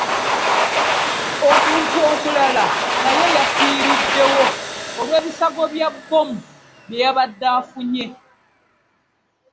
Omuntu omulala naye yafuuriddewo olw'ebisago bya bbomu bye yabadde afunye